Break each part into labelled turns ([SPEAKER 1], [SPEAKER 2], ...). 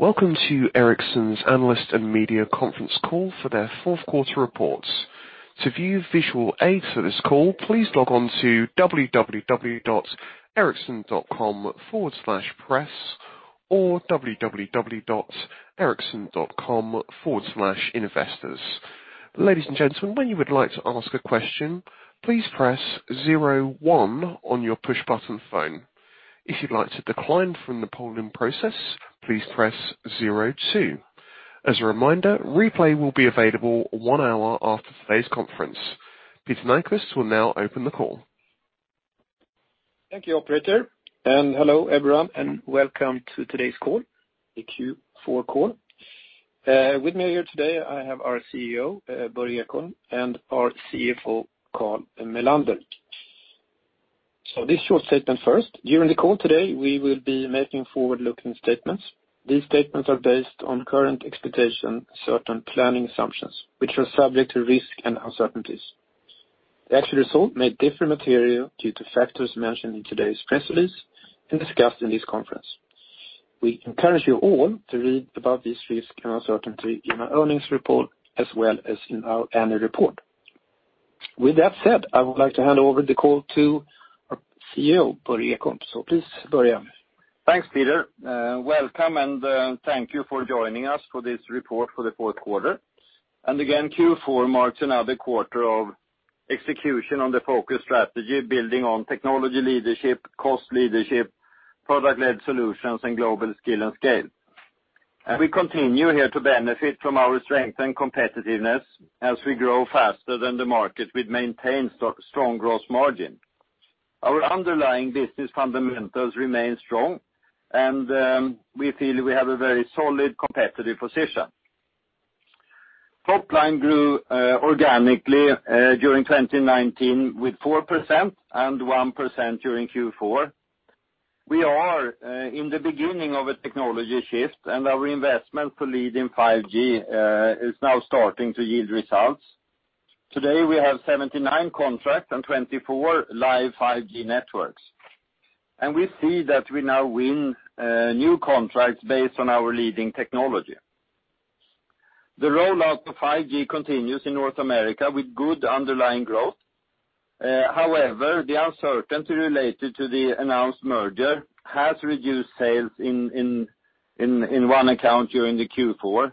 [SPEAKER 1] Welcome to Ericsson's analyst and media conference call for their fourth quarter reports. To view visual aids for this call, please log on to www.ericsson.com/press or www.ericsson.com/investors. Ladies and gentlemen, when you would like to ask a question, please press zero one on your push-button phone. If you'd like to decline from the polling process, please press zero two. As a reminder, replay will be available one hour after today's conference. Peter Nyquist will now open the call.
[SPEAKER 2] Thank you, operator. Hello, everyone, and welcome to today's call, the Q4 call. With me here today, I have our CEO, Börje Ekholm, and our CFO, Carl Mellander. This short statement first. During the call today, we will be making forward-looking statements. These statements are based on current expectation, certain planning assumptions, which are subject to risk and uncertainties. The actual result may differ material due to factors mentioned in today's press release and discussed in this conference. We encourage you all to read about these risks and uncertainty in our earnings report as well as in our annual report. With that said, I would like to hand over the call to our CEO, Börje Ekholm. Please, Börje.
[SPEAKER 3] Thanks, Peter. Welcome, and thank you for joining us for this report for the fourth quarter. Again, Q4 marks another quarter of execution on the focus strategy, building on technology leadership, cost leadership, product-led solutions, and global skill and scale. We continue here to benefit from our strength and competitiveness as we grow faster than the market with maintained strong gross margin. Our underlying business fundamentals remain strong, and we feel we have a very solid competitive position. Top line grew organically during 2019 with 4% and 1% during Q4. We are in the beginning of a technology shift, and our investment to lead in 5G is now starting to yield results. Today, we have 79 contracts and 24 live 5G Networks. We see that we now win new contracts based on our leading technology. The rollout of 5G continues in North America with good underlying growth. The uncertainty related to the announced merger has reduced sales in one account during the Q4.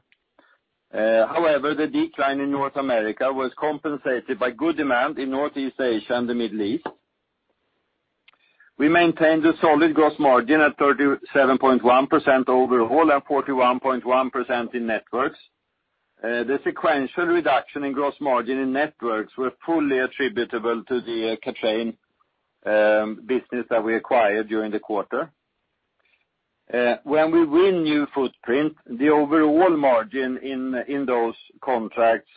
[SPEAKER 3] The decline in North America was compensated by good demand in Northeast Asia and the Middle East. We maintained a solid gross margin at 37.1% overall and 41.1% in Networks. The sequential reduction in gross margin in Networks were fully attributable to the Kathrein business that we acquired during the quarter. When we win new footprint, the overall margin in those contracts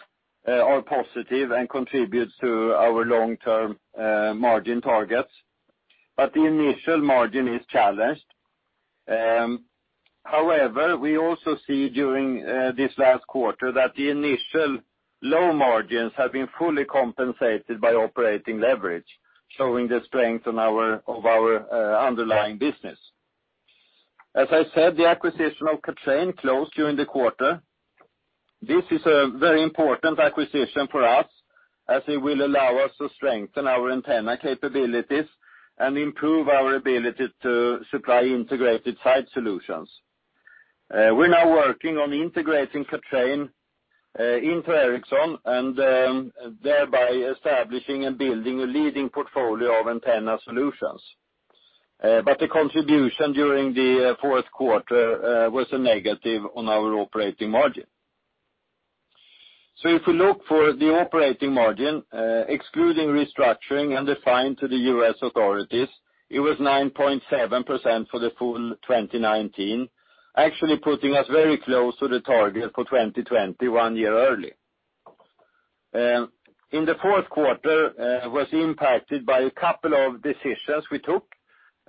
[SPEAKER 3] are positive and contributes to our long-term margin targets, but the initial margin is challenged. We also see during this last quarter that the initial low margins have been fully compensated by operating leverage, showing the strength of our underlying business. As I said, the acquisition of Kathrein closed during the quarter. This is a very important acquisition for us as it will allow us to strengthen our antenna capabilities and improve our ability to supply integrated site solutions. We're now working on integrating Kathrein into Ericsson and thereby establishing and building a leading portfolio of antenna solutions. The contribution during the fourth quarter was a negative on our operating margin. If you look for the operating margin, excluding restructuring and the fine to the U.S. authorities, it was 9.7% for the full 2019, actually putting us very close to the target for 2020 one year early. The fourth quarter was impacted by a couple of decisions we took.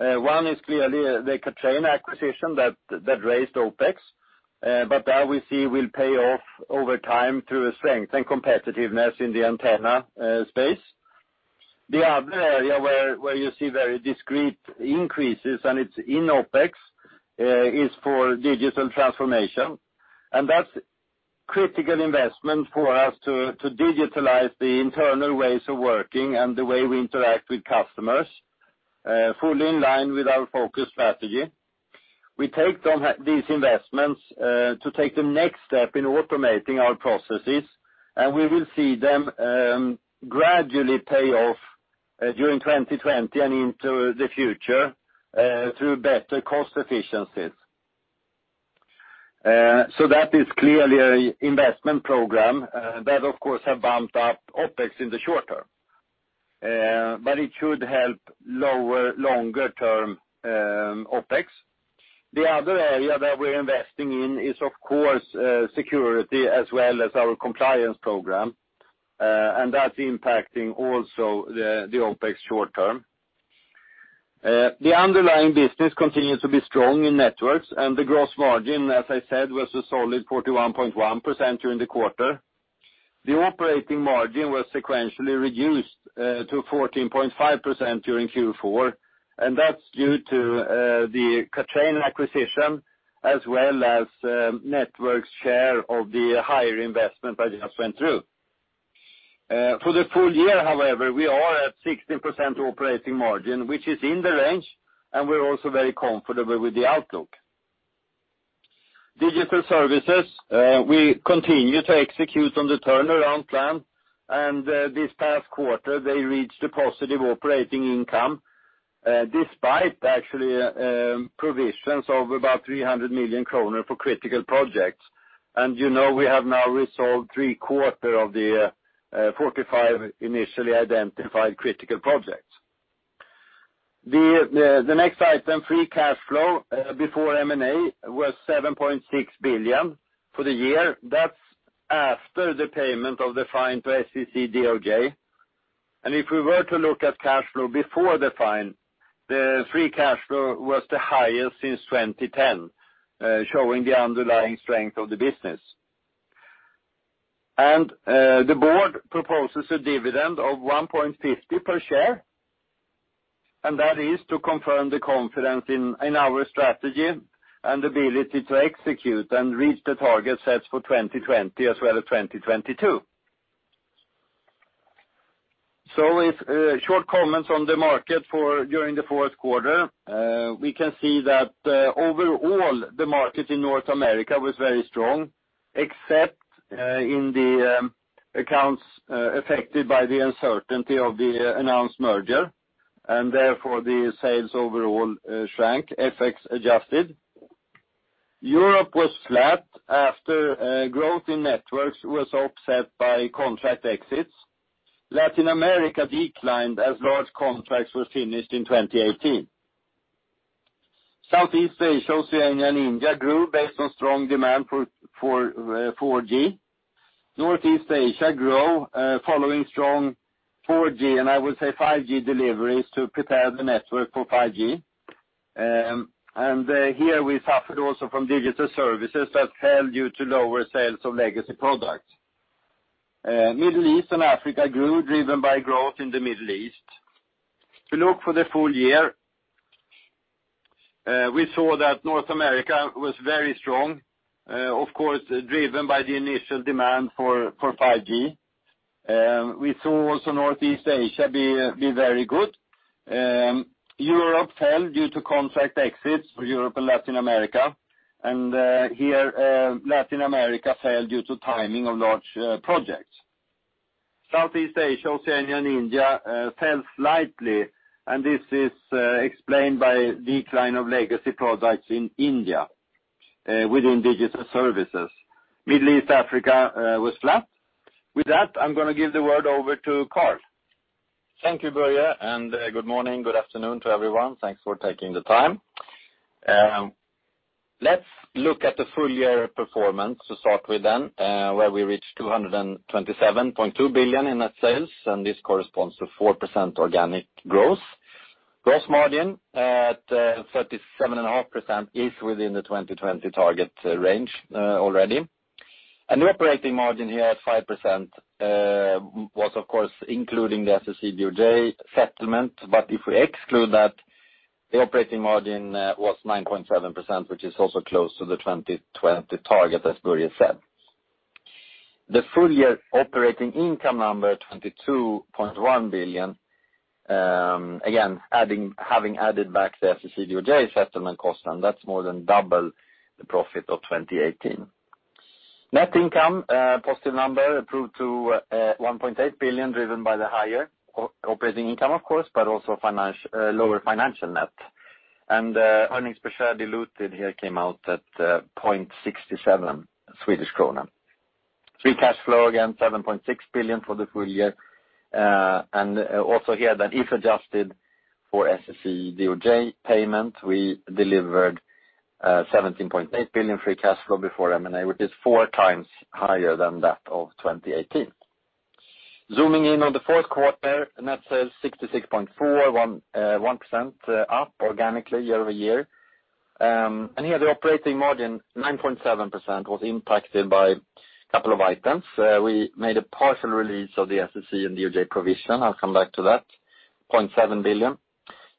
[SPEAKER 3] One is clearly the Kathrein acquisition that raised OpEx, but that we see will pay off over time through strength and competitiveness in the antenna space. The other area where you see very discrete increases, and it's in OpEx, is for digital transformation. That's critical investment for us to digitalize the internal ways of working and the way we interact with customers, fully in line with our focus strategy. We take these investments to take the next step in automating our processes, and we will see them gradually pay off during 2020 and into the future through better cost efficiencies. That is clearly an investment program that, of course, have bumped up OpEx in the short term. It should help lower longer-term OpEx. The other area that we're investing in is, of course, security as well as our compliance program. That's impacting also the OpEx short term. The underlying business continues to be strong in Networks, and the gross margin, as I said, was a solid 41.1% during the quarter. The operating margin was sequentially reduced to 14.5% during Q4, and that's due to the Kathrein acquisition, as well as Networks' share of the higher investment I just went through. For the full year, however, we are at 16% operating margin, which is in the range, and we're also very comfortable with the outlook. Digital Services, we continue to execute on the turnaround plan, and this past quarter they reached a positive operating income, despite actually provisions of about 300 million kronor for critical projects. You know we have now resolved three-quarters of the 45 initially identified critical projects. The next item, free cash flow before M&A, was 7.6 billion for the year. That's after the payment of the fine to SEC/DOJ. If we were to look at cash flow before the fine, the free cash flow was the highest since 2010, showing the underlying strength of the business. The board proposes a dividend of 1.50 per share, and that is to confirm the confidence in our strategy and ability to execute and reach the target sets for 2020 as well as 2022. With short comments on the market during the fourth quarter. We can see that overall the market in North America was very strong, except in the accounts affected by the uncertainty of the announced merger, and therefore the sales overall shrank, FX adjusted. Europe was flat after growth in Networks was offset by contract exits. Latin America declined as large contracts were finished in 2018. Southeast Asia, Oceania, and India grew based on strong demand for 4G. Northeast Asia grew following strong 4G, I would say 5G deliveries to prepare the network for 5G. Here we suffered also from Digital Services that fell due to lower sales of legacy products. Middle East and Africa grew, driven by growth in the Middle East. If you look for the full year, we saw that North America was very strong, of course driven by the initial demand for 5G. We saw also Northeast Asia be very good. Europe fell due to contract exits for Europe and Latin America. Here, Latin America fell due to timing of large projects. Southeast Asia, Oceania, and India fell slightly, this is explained by decline of legacy products in India within Digital Services. Middle East/Africa was flat. With that, I'm going to give the word over to Carl.
[SPEAKER 4] Thank you, Börje, good morning, good afternoon to everyone. Thanks for taking the time. Let's look at the full-year performance to start with, where we reached 227.2 billion in net sales, this corresponds to 4% organic growth. Gross margin at 37.5% is within the 2020 target range already. The operating margin here at 5% was of course including the SEC/DOJ settlement. If we exclude that, the operating margin was 9.7%, which is also close to the 2020 target, as Börje said. The full-year operating income number, 22.1 billion, again, having added back the SEC/DOJ settlement cost, that's more than double the profit of 2018. Net income, a positive number, improved to 1.8 billion, driven by the higher operating income, of course, but also lower financial net. Earnings per share diluted here came out at 0.67 Swedish krona. Free cash flow, again, 7.6 billion for the full year. Also here that if adjusted for SEC and DOJ payment, we delivered 17.8 billion free cash flow before M&A, which is four times higher than that of 2018. Zooming in on the fourth quarter, net sales 66.4 billion, 1% up organically year-over-year. Here, the operating margin, 9.7%, was impacted by a couple of items. We made a partial release of the SEC and DOJ provision. I will come back to that, 0.7 billion.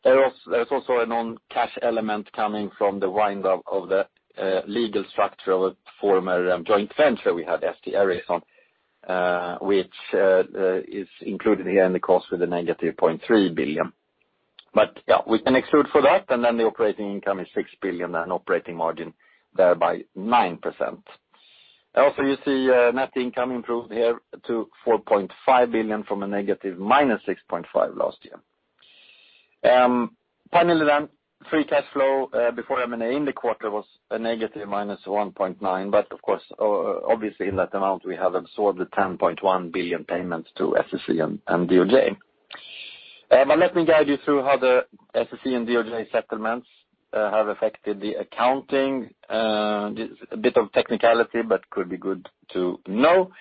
[SPEAKER 4] There was also a non-cash element coming from the wind-up of the legal structure of a former joint venture we had, ST-Ericsson, which is included here in the cost with a -0.3 billion. Yeah, we can exclude for that, then the operating income is 6 billion and operating margin thereby 9%. Also, you see net income improved here to 4.5 billion from a -6.5 billion last year. Finally, free cash flow before M&A in the quarter was -1.9, of course, obviously in that amount we have absorbed the 10.1 billion payments to SEC and DOJ. Let me guide you through how the SEC and DOJ settlements have affected the accounting. A bit of technicality, but could be good to know.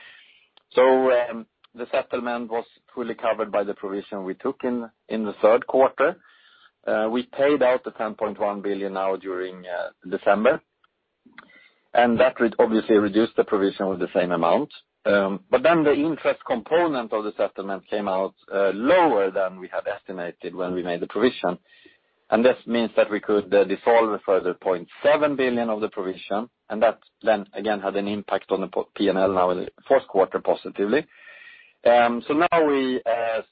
[SPEAKER 4] The settlement was fully covered by the provision we took in the third quarter. We paid out the 10.1 billion now during December, that obviously reduced the provision with the same amount. The interest component of the settlement came out lower than we had estimated when we made the provision. This means that we could dissolve a further 0.7 billion of the provision, that again had an impact on the P&L now in the first quarter positively. Now we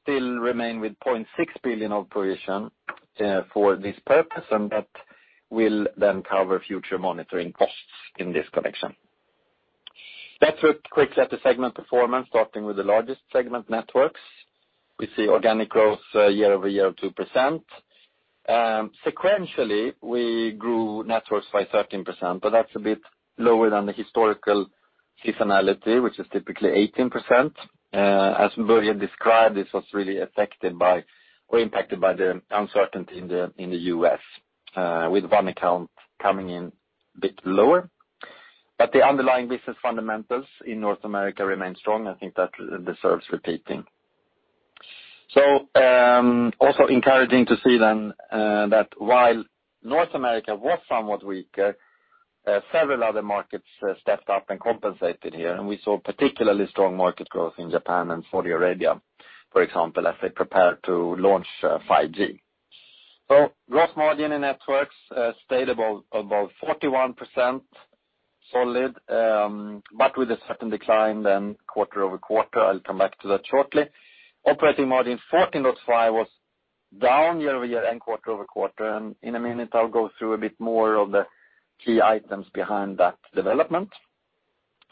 [SPEAKER 4] still remain with 0.6 billion of provision for this purpose, and that will then cover future monitoring costs in this connection. Let's look quickly at the segment performance, starting with the largest segment, Networks. We see organic growth year-over-year of 2%. Sequentially, we grew Networks by 13%, but that's a bit lower than the historical seasonality, which is typically 18%. As Börje described, this was really affected by or impacted by the uncertainty in the U.S., with one account coming in a bit lower. The underlying business fundamentals in North America remain strong. I think that deserves repeating. Encouraging to see then that while North America was somewhat weaker, several other markets stepped up and compensated here, and we saw particularly strong market growth in Japan and Saudi Arabia, for example, as they prepare to launch 5G. Gross margin in Networks stayed above 41%, solid, but with a certain decline then quarter-over-quarter. I'll come back to that shortly. Operating margin 14.5% was down year-over-year and quarter-over-quarter. In a minute, I'll go through a bit more of the key items behind that development.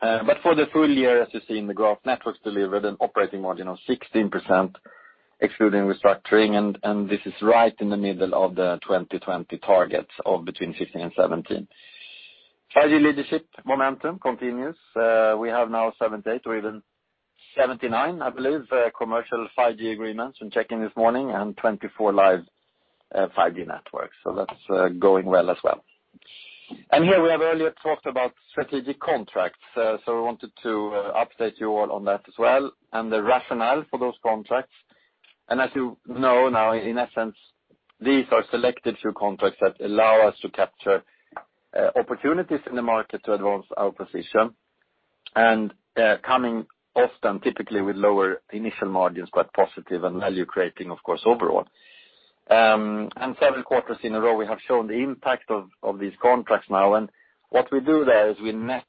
[SPEAKER 4] For the full year, as you see in the graph, Networks delivered an operating margin of 16%, excluding restructuring, and this is right in the middle of the 2020 targets of between 15% and 17%. 5G leadership momentum continues. We have now 78 or even 79, I believe, commercial 5G agreements when checking this morning and 24 live 5G Networks. That's going well as well. Here we have earlier talked about strategic contracts. We wanted to update you all on that as well and the rationale for those contracts. As you know now, in essence, these are selected few contracts that allow us to capture opportunities in the market to advance our position, coming often, typically with lower initial margins, but positive and value-creating, of course, overall. Several quarters in a row, we have shown the impact of these contracts now. What we do there is we net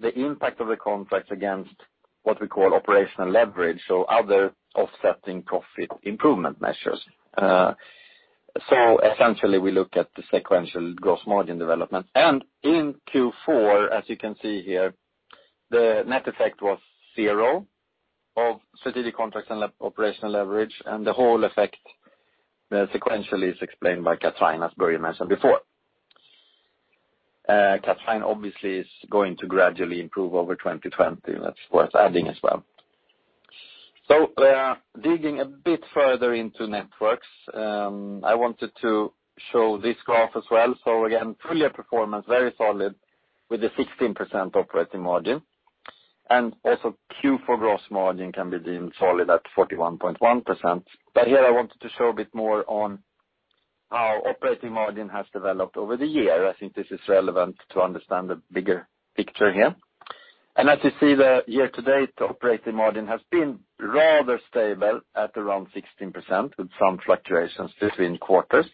[SPEAKER 4] the impact of the contracts against what we call operational leverage, so other offsetting profit improvement measures. Essentially, we look at the sequential gross margin development. In Q4, as you can see here, the net effect was zero of strategic contracts and operational leverage, and the whole effect sequentially is explained by Kathrein, as Börje mentioned before. Kathrein obviously is going to gradually improve over 2020. That's worth adding as well. Digging a bit further into Networks, I wanted to show this graph as well. Again, full year performance, very solid with a 16% operating margin. Also Q4 gross margin can be deemed solid at 41.1%. Here I wanted to show a bit more on how operating margin has developed over the year. I think this is relevant to understand the bigger picture here. As you see, the year to date operating margin has been rather stable at around 16%, with some fluctuations between quarters.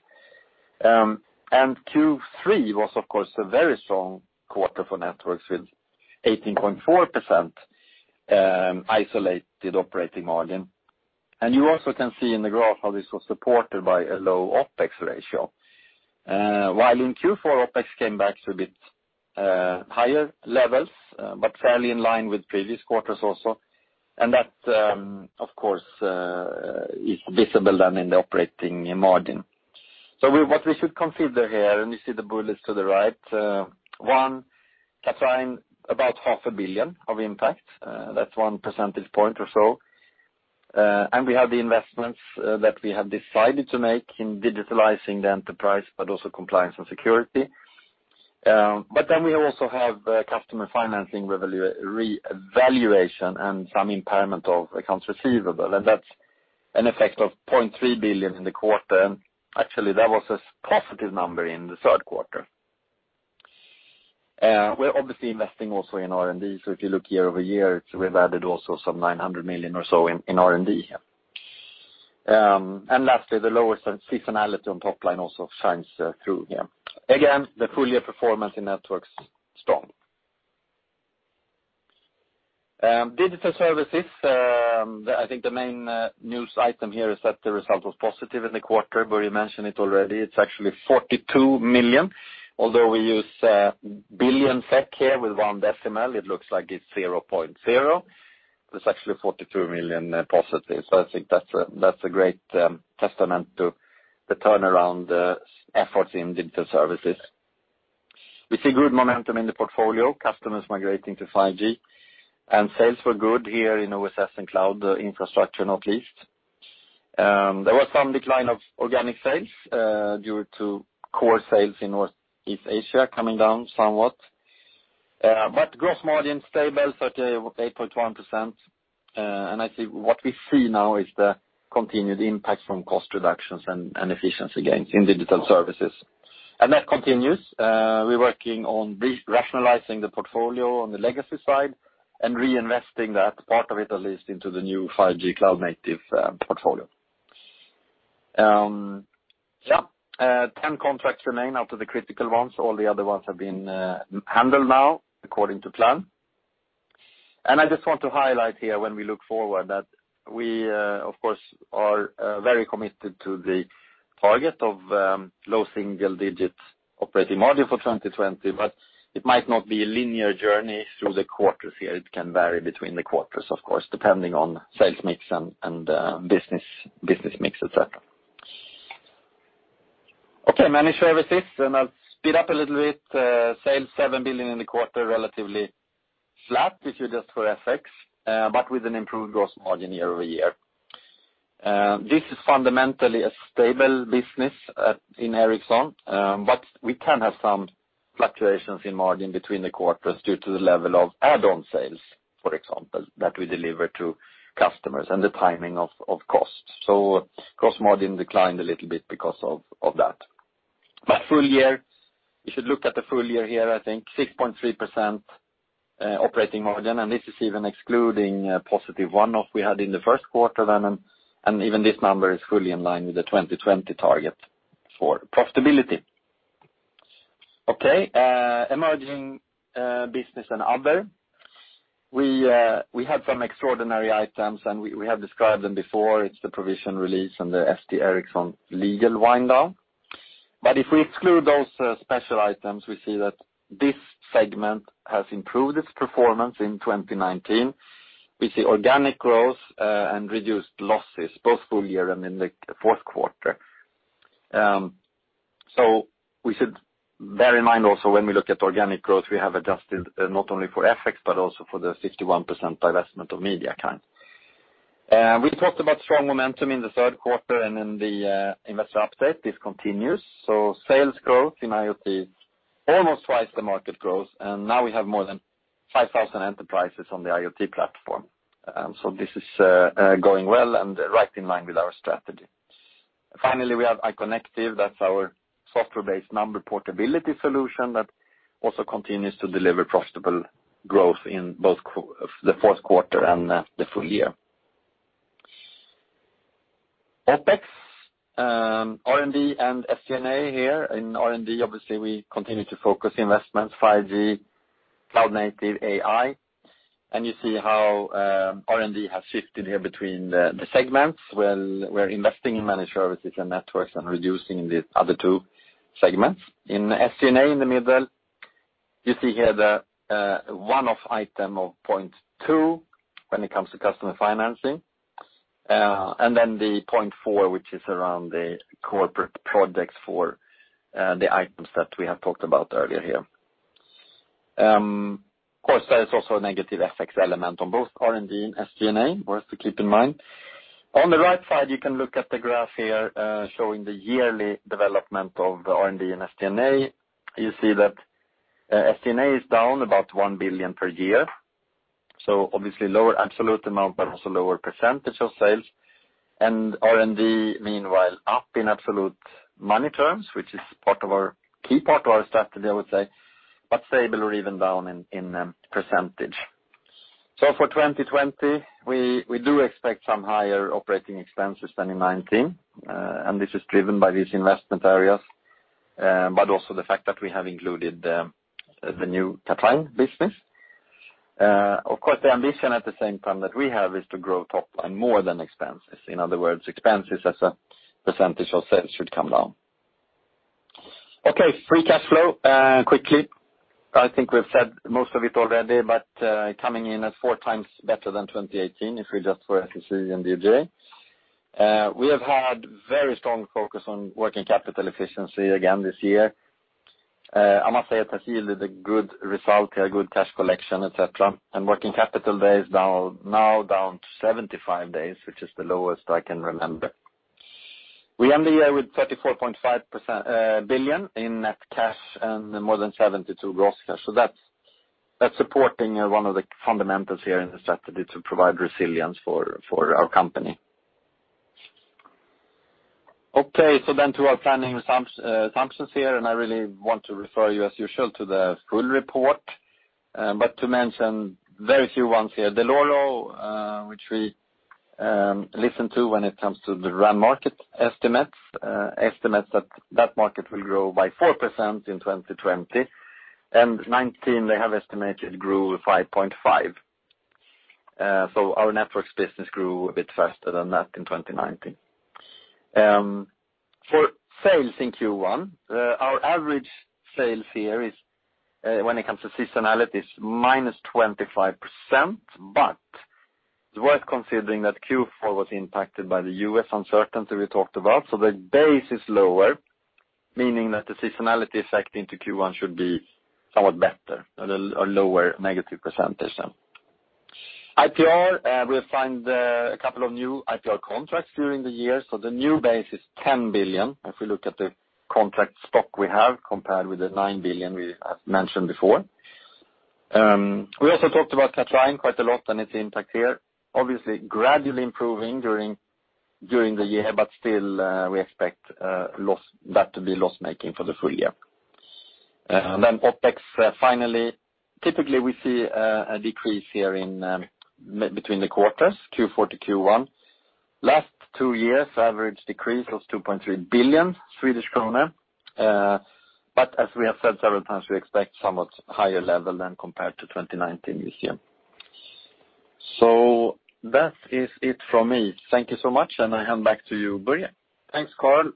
[SPEAKER 4] Q3 was, of course, a very strong quarter for Networks with 18.4% isolated operating margin. You also can see in the graph how this was supported by a low OpEx ratio. While in Q4, OpEx came back to a bit higher levels, but fairly in line with previous quarters also. That, of course, is visible then in the operating margin. What we should consider here, and you see the bullets to the right. One, Kathrein, about 0.5 billion of impact. That's 1 percentage point or so. We have the investments that we have decided to make in digitalizing the enterprise, but also compliance and security. We also have customer financing revaluation and some impairment of accounts receivable, and that's an effect of 0.3 billion in the quarter. Actually, that was a positive number in the third quarter. We're obviously investing also in R&D. If you look year over year, we've added also some 900 million or so in R&D. Lastly, the lower seasonality on top line also shines through here. Again, the full year performance in Networks, strong. Digital Services. I think the main news item here is that the result was positive in the quarter. Börje mentioned it already. It's actually 42 million. Although we use 1 billion SEK here with one decimal, it looks like it's 0.0 billion. It's actually 42 million positive. I think that's a great testament to the turnaround efforts in Digital Services. We see good momentum in the portfolio, customers migrating to 5G. Sales were good here in OSS and cloud infrastructure, not least. There was some decline of organic sales due to core sales in Northeast Asia coming down somewhat. Gross margin stable, 38.1%. I think what we see now is the continued impact from cost reductions and efficiency gains in Digital Services. That continues. We're working on re-rationalizing the portfolio on the legacy side and reinvesting that, part of it at least, into the new 5G cloud-native portfolio. Yeah. 10 contracts remain out of the critical ones. All the other ones have been handled now according to plan. I just want to highlight here when we look forward that we, of course, are very committed to the target of low single digits operating margin for 2020. It might not be a linear journey through the quarters here. It can vary between the quarters, of course, depending on sales mix and business mix, et cetera. Managed Services. I'll speed up a little bit. Sales 7 billion in the quarter, relatively flat if you adjust for FX, but with an improved gross margin year-over-year. This is fundamentally a stable business in Ericsson, but we can have some fluctuations in margin between the quarters due to the level of add-on sales, for example, that we deliver to customers and the timing of costs. Gross margin declined a little bit because of that. Full year, you should look at the full year here, I think 6.3% operating margin, and this is even excluding a positive one-off we had in the first quarter. Even this number is fully in line with the 2020 target for profitability. Emerging Business and Other. We had some extraordinary items, and we have described them before. It's the provision release and the ST-Ericsson legal wind down. If we exclude those special items, we see that this segment has improved its performance in 2019. We see organic growth and reduced losses, both full year and in the fourth quarter. We should bear in mind also, when we look at organic growth, we have adjusted not only for FX, but also for the 51% divestment of MediaKind. We talked about strong momentum in the third quarter and in the investor update. This continues. Sales growth in IoT, almost twice the market growth, and now we have more than 5,000 enterprises on the IoT platform. This is going well and right in line with our strategy. Finally, we have iconectiv. That's our software-based number portability solution that also continues to deliver profitable growth in both the fourth quarter and the full year. OpEx. R&D and SG&A here. In R&D, obviously, we continue to focus investments, 5G, cloud native, AI. You see how R&D has shifted here between the segments. Well, we're investing in Managed Services and Networks and reducing the other two segments. In SG&A, in the middle, you see here the one-off item of 0.2 when it comes to customer financing, then the 0.4, which is around the corporate projects for the items that we have talked about earlier here. Of course, there is also a negative FX element on both R&D and SG&A, worth to keep in mind. On the right side, you can look at the graph here showing the yearly development of the R&D and SG&A. You see that SG&A is down about 1 billion per year. Obviously lower absolute amount, but also lower percent of sales. R&D, meanwhile, up in absolute money terms, which is key part of our strategy, I would say, but stable or even down in %. For 2020, we do expect some higher operating expenses than in 2019, and this is driven by these investment areas, but also the fact that we have included the new Tata business. Of course, the ambition at the same time that we have is to grow top and more than expenses. In other words, expenses as a percentage of sales should come down. Free cash flow, quickly. I think we've said most of it already, but coming in at 4x better than 2018, if we adjust for SEC and DOJ. We have had very strong focus on working capital efficiency again this year. I must say it has yielded a good result here, good cash collection, et cetera. Working capital days now down to 75 days, which is the lowest I can remember. We end the year with 34.5 billion in net cash and more than 72 billion gross cash. That's supporting one of the fundamentals here in the strategy to provide resilience for our company. To our planning assumptions here, and I really want to refer you as usual to the full report. To mention very few ones here. Dell'Oro, which we listen to when it comes to the RAN market estimates. Estimates that that market will grow by 4% in 2020. 2019, they have estimated grew 5.5%. Our Networks business grew a bit faster than that in 2019. For sales in Q1, our average sales here is, when it comes to seasonality, is -25%, but it's worth considering that Q4 was impacted by the U.S. uncertainty we talked about. The base is lower. Meaning that the seasonality effect into Q1 should be somewhat better, a lower negative % then. IPR, we have signed a couple of new IPR contracts during the year. The new base is 10 billion, if we look at the contract stock we have, compared with the 9 billion we have mentioned before. We also talked about Kathrein quite a lot, and its impact here. Obviously gradually improving during the year, but still we expect that to be loss-making for the full year. OpEx, finally, typically we see a decrease here in between the quarters, Q4 to Q1. Last two years, average decrease was 2.3 billion Swedish krona. As we have said several times, we expect somewhat higher level than compared to 2019 we see. That is it from me. Thank you so much, and I hand back to you, Börje.
[SPEAKER 3] Thanks, Carl.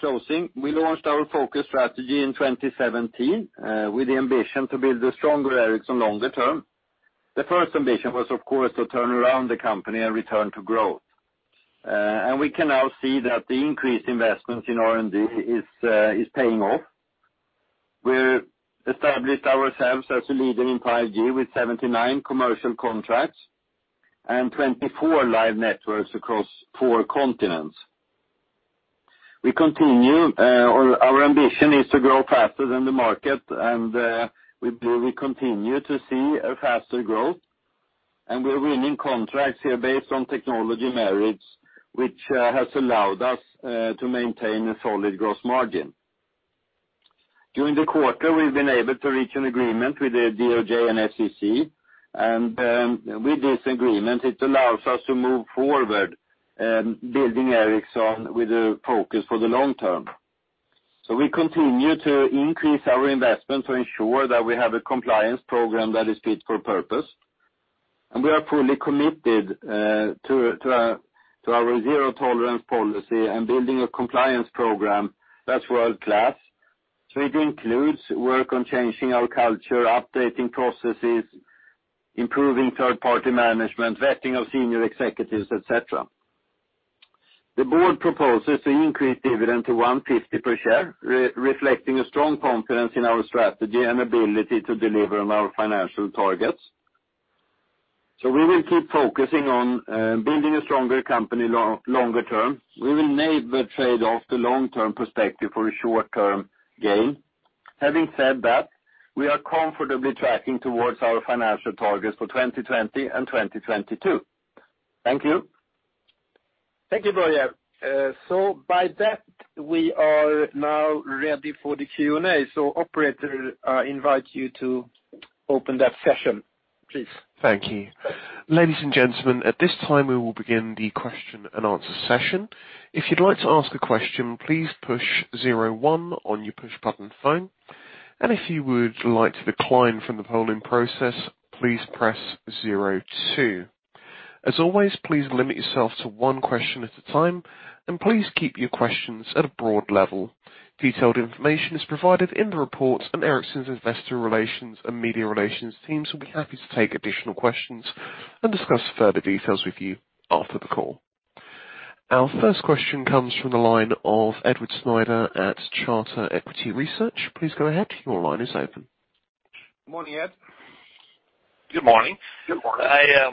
[SPEAKER 3] Closing, we launched our focus strategy in 2017, with the ambition to build a stronger Ericsson longer term. The first ambition was, of course, to turn around the company and return to growth. We can now see that the increased investments in R&D is paying off. We established ourselves as a leader in 5G with 79 commercial contracts and 24 live Networks across four continents. Our ambition is to grow faster than the market, we continue to see a faster growth. We're winning contracts here based on technology merits, which has allowed us to maintain a solid gross margin. During the quarter, we've been able to reach an agreement with the DOJ and SEC, with this agreement, it allows us to move forward building Ericsson with a focus for the long term. We continue to increase our investment to ensure that we have a compliance program that is fit for purpose. We are fully committed to our zero tolerance policy and building a compliance program that's world-class. It includes work on changing our culture, updating processes, improving third-party management, vetting of senior executives, et cetera. The board proposes an increased dividend to 1.50 per share, reflecting a strong confidence in our strategy and ability to deliver on our financial targets. We will keep focusing on building a stronger company longer term. We will never trade off the long-term perspective for a short-term gain. Having said that, we are comfortably tracking towards our financial targets for 2020 and 2022. Thank you.
[SPEAKER 2] Thank you, Börje. By that, we are now ready for the Q&A. Operator, I invite you to open that session, please.
[SPEAKER 1] Thank you. Ladies and gentlemen, at this time, we will begin the question-and-answer session. If you'd like to ask a question, please push zero one on your push button phone. If you would like to decline from the polling process, please press zero two. As always, please limit yourself to one question at a time, and please keep your questions at a broad level. Detailed information is provided in the report, and Ericsson's investor relations and media relations teams will be happy to take additional questions and discuss further details with you after the call. Our first question comes from the line of Edward Snyder at Charter Equity Research. Please go ahead. Your line is open.
[SPEAKER 2] Morning, Ed.
[SPEAKER 5] Good morning. Good morning. I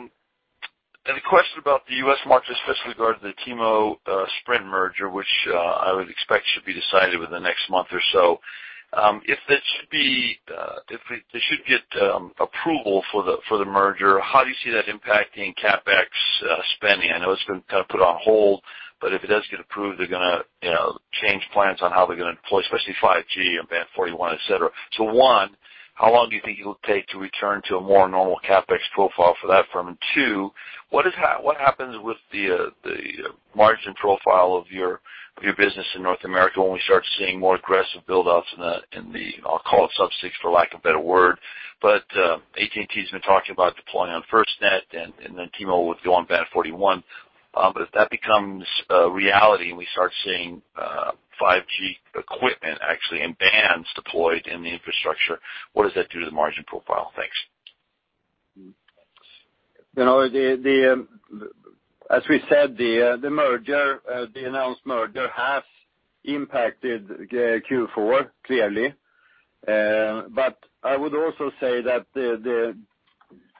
[SPEAKER 5] had a question about the U.S. market, especially regarding the T-Mobile-Sprint merger, which I would expect should be decided within the next month or so. If they should get approval for the merger, how do you see that impacting CapEx spending? I know it's been kind of put on hold, but if it does get approved, they're going to change plans on how they're going to deploy, especially 5G and band 41, et cetera. one, how long do you think it will take to return to a more normal CapEx profile for that firm? two, what happens with the margin profile of your business in North America when we start seeing more aggressive build-outs in the, I'll call it Sub-6, for lack of a better word. But AT&T's been talking about deploying on FirstNet, then T-Mobile would go on band 41. If that becomes a reality and we start seeing 5G equipment actually and bands deployed in the infrastructure, what does that do to the margin profile? Thanks.
[SPEAKER 3] As we said, the announced merger has impacted Q4, clearly. I would also say that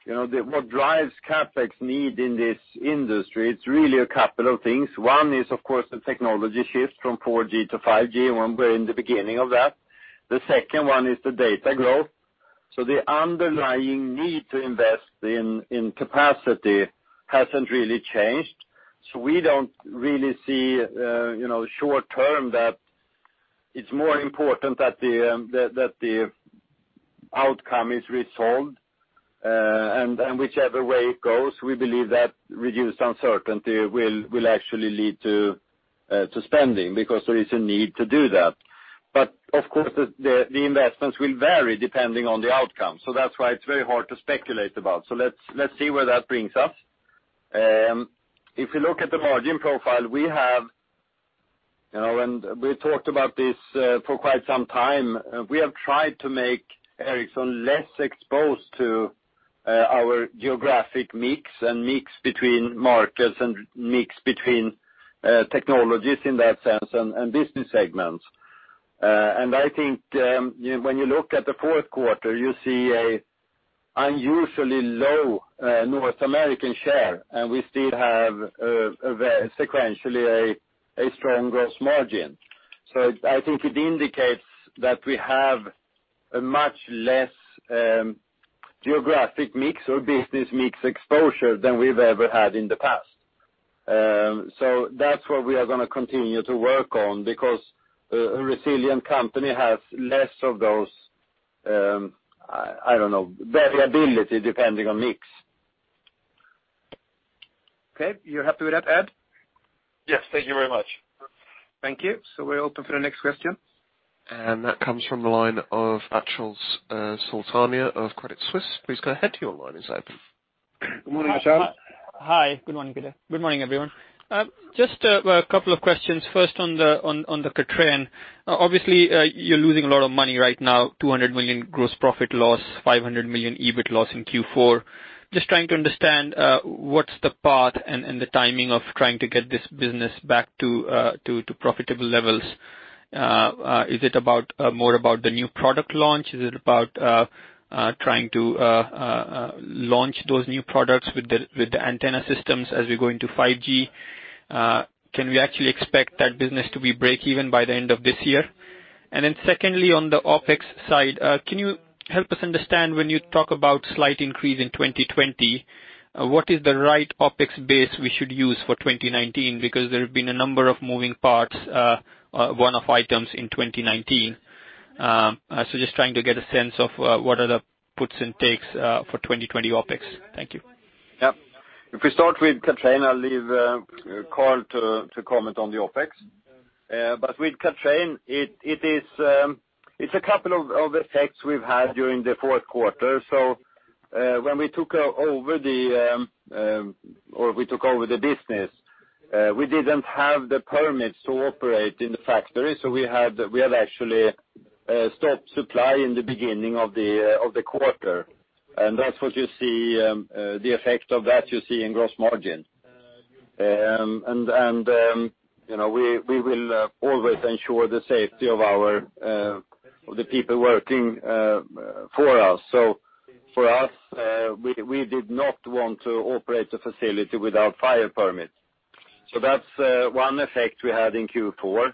[SPEAKER 3] what drives CapEx need in this industry, it's really a couple of things. One is, of course, the technology shift from 4G to 5G. We're in the beginning of that. The second one is the data growth. The underlying need to invest in capacity hasn't really changed. We don't really see short term that it's more important that the outcome is resolved. Whichever way it goes, we believe that reduced uncertainty will actually lead to spending because there is a need to do that. Of course, the investments will vary depending on the outcome. That's why it's very hard to speculate about. Let's see where that brings us. If you look at the margin profile, and we talked about this for quite some time. We have tried to make Ericsson less exposed to. Our geographic mix and mix between markets and mix between technologies in that sense and business segments. I think when you look at the fourth quarter, you see an unusually low North American share, and we still have sequentially a strong gross margin. I think it indicates that we have a much less geographic mix or business mix exposure than we've ever had in the past. That's what we are going to continue to work on because a resilient company has less of those, I don't know, variability depending on mix.
[SPEAKER 2] Okay. You happy with that, Ed?
[SPEAKER 5] Yes. Thank you very much.
[SPEAKER 2] Thank you. We're open for the next question.
[SPEAKER 1] That comes from the line of Achal Sultania of Credit Suisse. Please go ahead, your line is open.
[SPEAKER 2] Good morning, Achal.
[SPEAKER 6] Hi. Good morning, Peter. Good morning, everyone. Just a couple of questions. First on the Kathrein. Obviously, you're losing a lot of money right now, 200 million gross profit loss, 500 million EBIT loss in Q4. Just trying to understand what's the path and the timing of trying to get this business back to profitable levels. Is it more about the new product launch? Is it about trying to launch those new products with the antenna systems as we go into 5G? Can we actually expect that business to be break even by the end of this year? Secondly, on the OpEx side, can you help us understand when you talk about slight increase in 2020, what is the right OpEx base we should use for 2019? Because there have been a number of moving parts, one-off items in 2019. Just trying to get a sense of what are the puts and takes for 2020 OpEx. Thank you.
[SPEAKER 3] Yep. If we start with Kathrein, I'll leave Carl to comment on the OpEx. With Kathrein, it's a couple of effects we've had during the fourth quarter. When we took over the business, we didn't have the permits to operate in the factory. We have actually stopped supply in the beginning of the quarter, and the effect of that you see in gross margin. We will always ensure the safety of the people working for us. For us, we did not want to operate a facility without fire permits. That's one effect we had in Q4.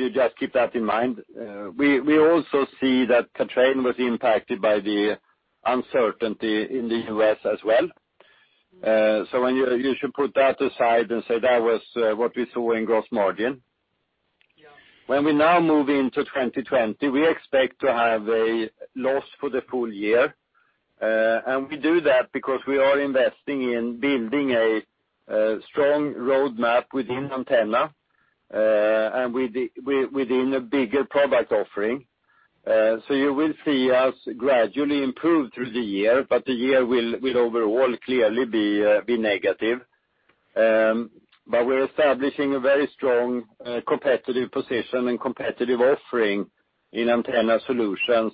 [SPEAKER 3] You just keep that in mind. We also see that Kathrein was impacted by the uncertainty in the U.S. as well. When you should put that aside and say that was what we saw in gross margin. When we now move into 2020, we expect to have a loss for the full year. We do that because we are investing in building a strong roadmap within antenna, and within a bigger product offering. You will see us gradually improve through the year, but the year will overall clearly be negative. We're establishing a very strong competitive position and competitive offering in antenna solutions.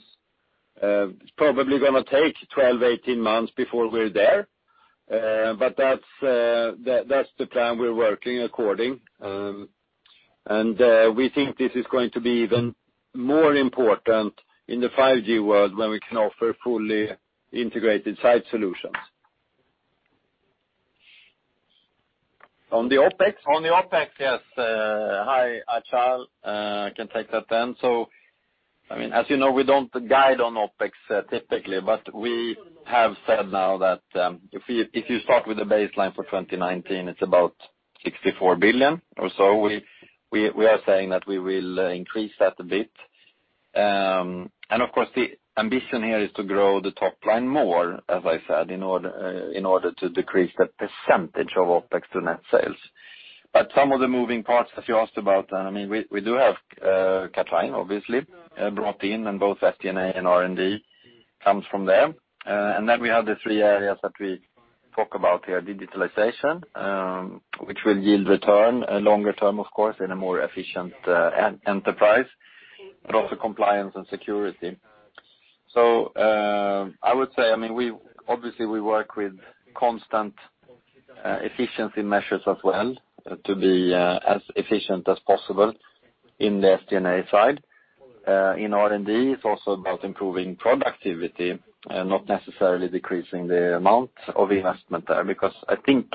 [SPEAKER 3] It's probably going to take 12, 18 months before we're there. That's the plan we're working according. We think this is going to be even more important in the 5G world when we can offer fully integrated site solutions.
[SPEAKER 4] On the OpEx, yes. Hi, Achal. I can take that then. As you know, we don't guide on OpEx typically, but we have said now that if you start with the baseline for 2019, it's about 64 billion or so. We are saying that we will increase that a bit. Of course, the ambition here is to grow the top line more, as I said, in order to decrease the percentage of OpEx to net sales. Some of the moving parts that you asked about, we do have Kathrein obviously, brought in, and both SG&A and R&D comes from them. We have the three areas that we talk about here, digitalization, which will yield return, longer term of course, in a more efficient enterprise, but also compliance and security. I would say, obviously we work with constant efficiency measures as well to be as efficient as possible in the SG&A side. In R&D, it's also about improving productivity, not necessarily decreasing the amount of investment there, because I think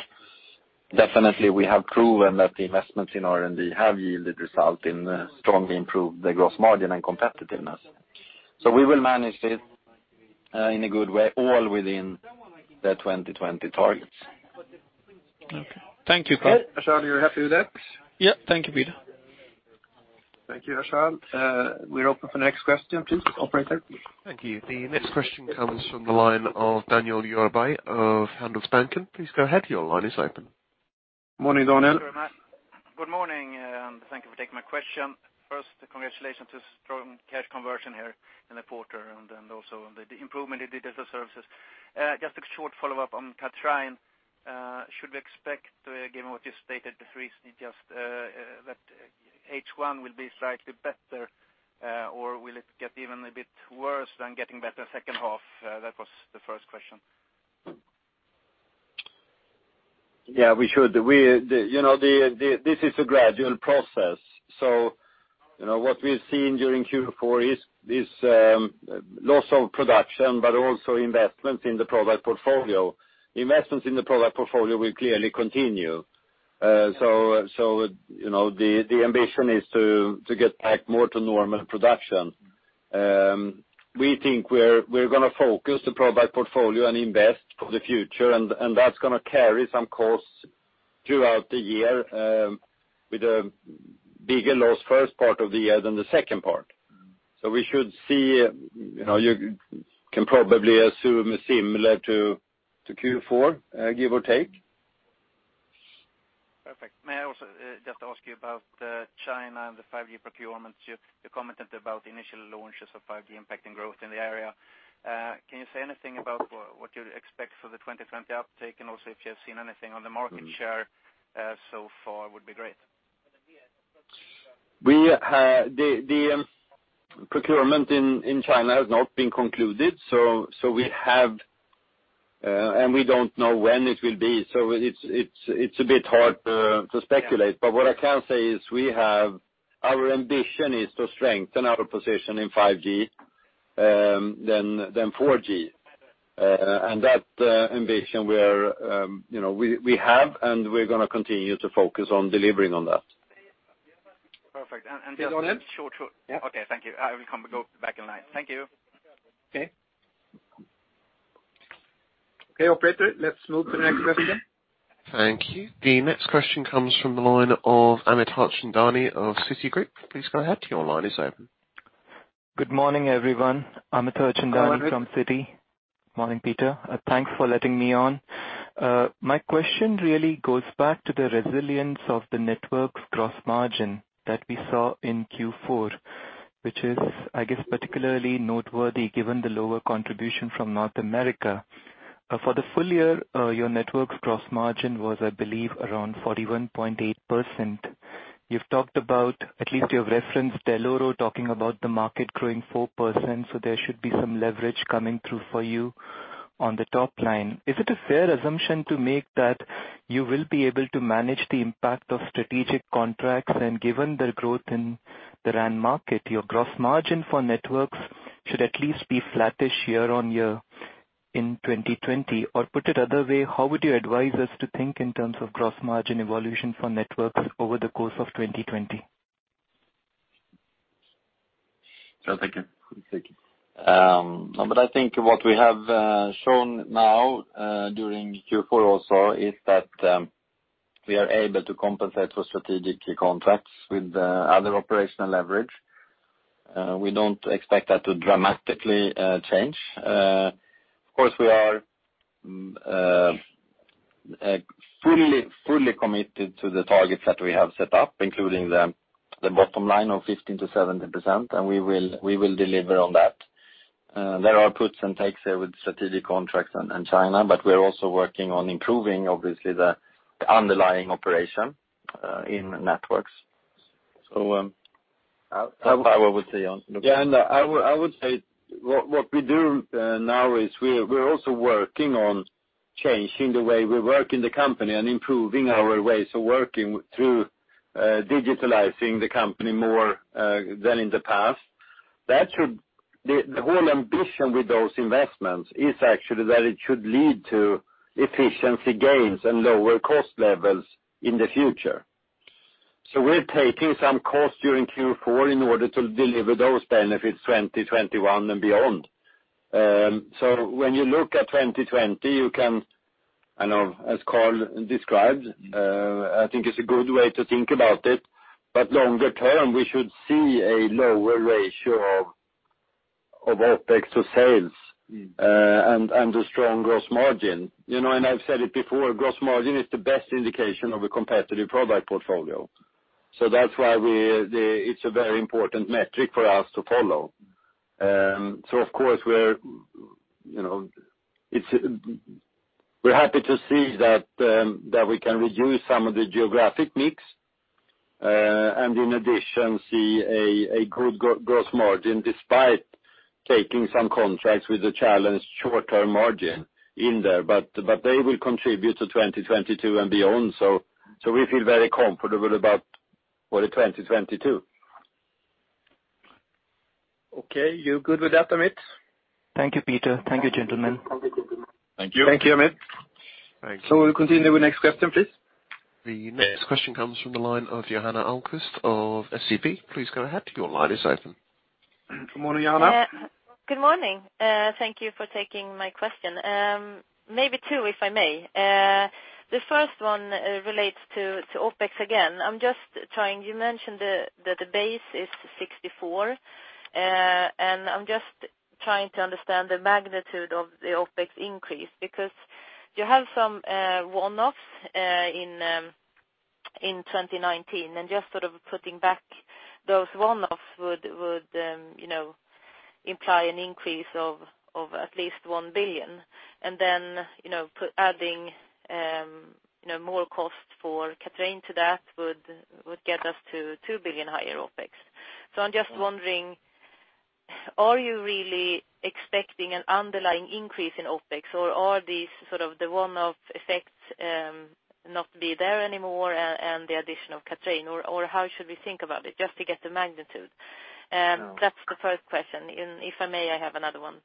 [SPEAKER 4] definitely we have proven that the investments in R&D have yielded results in strongly improved the gross margin and competitiveness. We will manage it in a good way, all within the 2020 targets.
[SPEAKER 6] Okay. Thank you, Carl.
[SPEAKER 2] Achal, you are happy with that?
[SPEAKER 6] Yep. Thank you, Peter.
[SPEAKER 2] Thank you, Achal. We're open for the next question too, operator.
[SPEAKER 1] Thank you. The next question comes from the line of Daniel Djurberg of Handelsbanken. Please go ahead. Your line is open.
[SPEAKER 2] Morning, Daniel.
[SPEAKER 7] Thank you very much. Good morning, and thank you for taking my question. First, congratulations to strong cash conversion here in the quarter, and then also on the improvement in Digital Services. Just a short follow-up on Kathrein. Should we expect, given what you stated, that H1 will be slightly better, or will it get even a bit worse than getting better second half? That was the first question.
[SPEAKER 3] Yeah, we should. This is a gradual process. What we've seen during Q4 is this loss of production, but also investment in the product portfolio. Investments in the product portfolio will clearly continue. The ambition is to get back more to normal production. We think we're going to focus the product portfolio and invest for the future, and that's going to carry some costs throughout the year, with a bigger loss first part of the year than the second part. We should see, you can probably assume similar to Q4, give or take.
[SPEAKER 7] Perfect. May I also just ask you about China and the 5G procurement? You commented about initial launches of 5G impacting growth in the area. Can you say anything about what you expect for the 2020 uptake, and also if you have seen anything on the market share so far would be great.
[SPEAKER 3] The procurement in China has not been concluded, and we don't know when it will be. It's a bit hard to speculate. What I can say is our ambition is to strengthen our position in 5G than 4G. That ambition we have, and we're going to continue to focus on delivering on that.
[SPEAKER 7] Perfect.
[SPEAKER 2] Is that all then?
[SPEAKER 7] Sure. Yeah. Okay. Thank you. I will go back in line. Thank you.
[SPEAKER 2] Okay. Okay, operator, let's move to the next question.
[SPEAKER 1] Thank you. The next question comes from the line of Amit Harchandani of Citigroup. Please go ahead, your line is open.
[SPEAKER 8] Good morning, everyone. Amit Harchandani fom Citi.
[SPEAKER 2] Good morning.
[SPEAKER 8] Morning, Peter. Thanks for letting me on. My question really goes back to the resilience of the Networks' gross margin that we saw in Q4, which is, I guess, particularly noteworthy given the lower contribution from North America. For the full year, your Networks' gross margin was, I believe, around 41.8%. You've talked about, at least you've referenced Dell'Oro talking about the market growing 4%. There should be some leverage coming through for you on the top line. Is it a fair assumption to make that you will be able to manage the impact of strategic contracts, and given the growth in the RAN market, your gross margin for Networks should at least be flattish year-on-year in 2020? Put it other way, how would you advise us to think in terms of gross margin evolution for Networks over the course of 2020?
[SPEAKER 3] Carl, take it.
[SPEAKER 4] I think what we have shown now, during Q4 also, is that we are able to compensate for strategic contracts with other operational leverage. We don't expect that to dramatically change. Of course, we are fully committed to the targets that we have set up, including the bottom line of 15%-17%. We will deliver on that. There are puts and takes there with strategic contracts and China. We're also working on improving, obviously, the underlying operation in Networks. That's what I would say.
[SPEAKER 3] I would say what we do now is we're also working on changing the way we work in the company and improving our ways of working through digitalizing the company more than in the past. The whole ambition with those investments is actually that it should lead to efficiency gains and lower cost levels in the future. We're taking some costs during Q4 in order to deliver those benefits 2021 and beyond. When you look at 2020, as Carl described, I think it's a good way to think about it. Longer term, we should see a lower ratio of OpEx to sales and a strong gross margin. I've said it before, gross margin is the best indication of a competitive product portfolio. That's why it's a very important metric for us to follow. Of course, we're happy to see that we can reduce some of the geographic mix, and in addition see a good gross margin despite taking some contracts with the challenged short-term margin in there. They will contribute to 2022 and beyond. We feel very comfortable about 2022.
[SPEAKER 2] Okay. You good with that, Amit?
[SPEAKER 8] Thank you, Peter. Thank you, gentlemen.
[SPEAKER 2] Thank you. Thank you. Thank you, Amit. Thanks. We'll continue with next question, please.
[SPEAKER 1] The next question comes from the line of Johanna Ahlqvist of SEB. Please go ahead, your line is open.
[SPEAKER 2] Good morning, Johanna.
[SPEAKER 9] Good morning. Thank you for taking my question. Maybe two, if I may. The first one relates to OpEx again. You mentioned that the base is 64, and I'm just trying to understand the magnitude of the OpEx increase, because you have some one-offs in 2019, and just putting back those one-offs would imply an increase of at least 1 billion. Then, adding more cost for Kathrein to that would get us to 2 billion higher OpEx. I'm just wondering, are you really expecting an underlying increase in OpEx, or are these the one-off effects not be there anymore and the addition of Kathrein, or how should we think about it, just to get the magnitude? That's the first question. If I may, I have another one.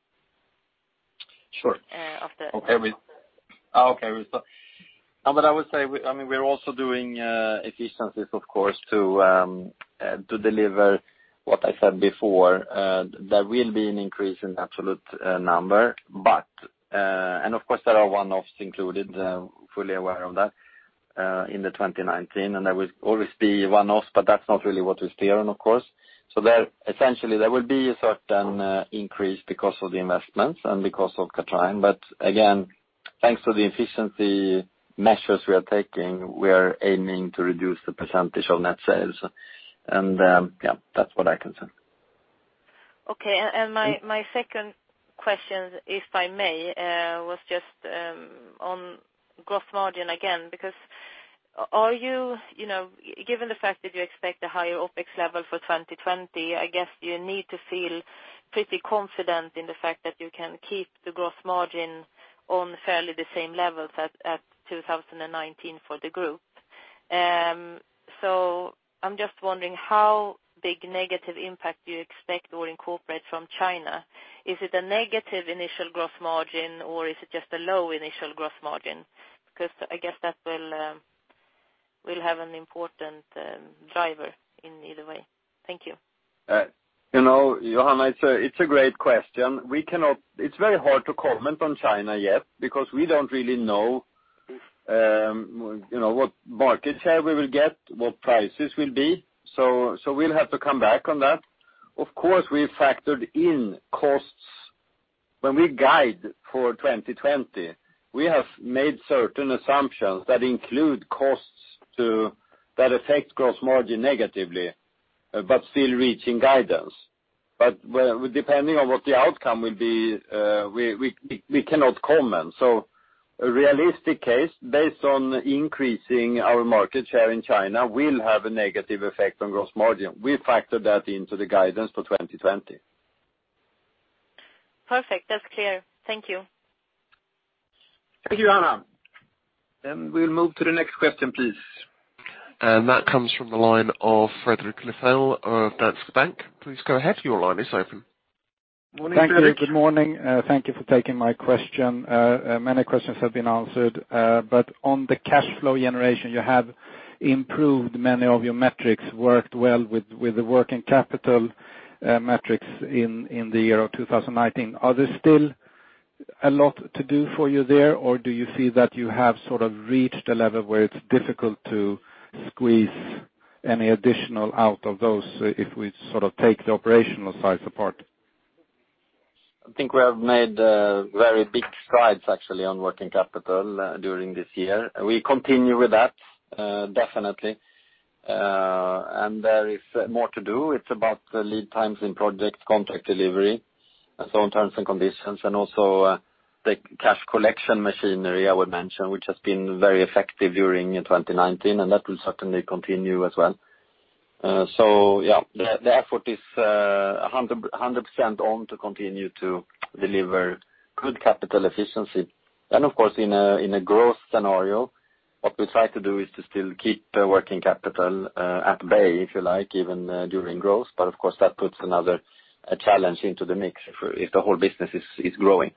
[SPEAKER 3] Sure.
[SPEAKER 9] After.
[SPEAKER 4] Okay. I would say, we're also doing efficiencies, of course, to deliver what I said before. There will be an increase in absolute number, and of course, there are one-offs included, fully aware of that, in the 2019, and there will always be one-offs, but that's not really what we steer on, of course. Essentially, there will be a certain increase because of the investments and because of Kathrein. Again, thanks to the efficiency measures we are taking, we are aiming to reduce the percentage of net sales. Yeah, that's what I can say.
[SPEAKER 9] Okay. My second question, if I may, was just on gross margin again, because given the fact that you expect a higher OpEx level for 2020, I guess you need to feel pretty confident in the fact that you can keep the gross margin on fairly the same levels as 2019 for the group. I'm just wondering how big negative impact do you expect or incorporate from China. Is it a negative initial gross margin, or is it just a low initial gross margin? I guess that will have an important driver in either way. Thank you.
[SPEAKER 3] Johanna, it's a great question. It's very hard to comment on China yet because we don't really know what market share we will get, what prices will be. We'll have to come back on that. Of course, we factored in costs. When we guide for 2020, we have made certain assumptions that include costs that affect gross margin negatively, but still reaching guidance. Depending on what the outcome will be, we cannot comment. A realistic case, based on increasing our market share in China, will have a negative effect on gross margin. We factored that into the guidance for 2020.
[SPEAKER 9] Perfect. That's clear. Thank you.
[SPEAKER 2] Thank you, Johanna. We'll move to the next question, please.
[SPEAKER 1] That comes from the line of Fredrik Stenkil of Danske Bank. Please go ahead. Your line is open.
[SPEAKER 2] Morning, Fredrik.
[SPEAKER 10] Thank you. Good morning. Thank you for taking my question. Many questions have been answered. On the cash flow generation, you have improved many of your metrics, worked well with the working capital metrics in the year of 2019. Are there still a lot to do for you there, or do you see that you have reached a level where it's difficult to squeeze any additional out of those if we take the operational side support?
[SPEAKER 4] I think we have made very big strides, actually, on working capital during this year. We continue with that, definitely. There is more to do. It's about lead times in project contract delivery and so on, terms and conditions, and also the cash collection machinery, I would mention, which has been very effective during 2019, and that will certainly continue as well. Yeah, the effort is 100% on to continue to deliver good capital efficiency. Of course, in a growth scenario, what we try to do is to still keep working capital at bay, if you like, even during growth. Of course, that puts another challenge into the mix if the whole business is growing.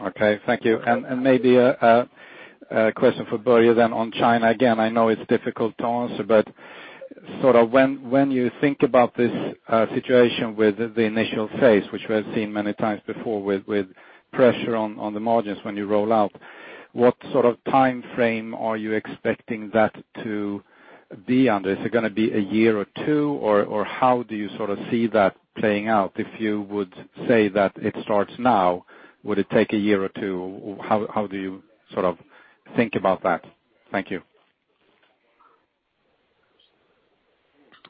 [SPEAKER 10] Okay, thank you. Maybe a question for Börje then on China. Again, I know it's difficult to answer, but when you think about this situation with the initial phase, which we have seen many times before with pressure on the margins when you roll out, what sort of timeframe are you expecting that to be under? Is it going to be a year or two, or how do you see that playing out? If you would say that it starts now, would it take a year or two? How do you think about that? Thank you.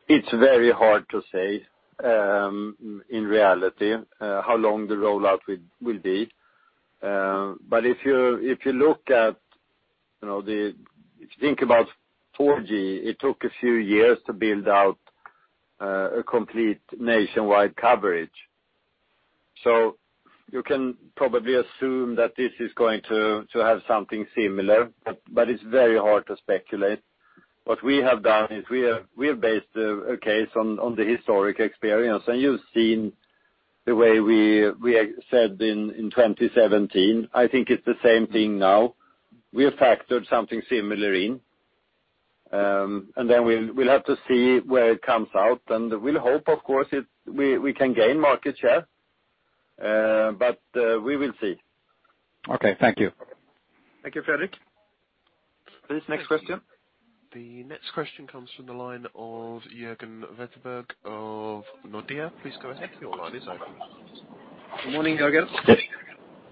[SPEAKER 3] It's very hard to say, in reality, how long the rollout will be. If you think about 4G, it took a few years to build out a complete nationwide coverage. You can probably assume that this is going to have something similar, but it's very hard to speculate. What we have done is we have based a case on the historic experience. You've seen the way we said in 2017. I think it's the same thing now. We have factored something similar in, and then we'll have to see where it comes out. We'll hope, of course, we can gain market share. We will see.
[SPEAKER 10] Okay. Thank you.
[SPEAKER 2] Thank you, Fredrik. Please, next question.
[SPEAKER 1] The next question comes from the line of Jörgen Wetterberg of Nordea. Please go ahead. Your line is open.
[SPEAKER 2] Good morning, Jörgen.